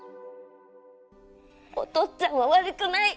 お父っつぁんは悪くない！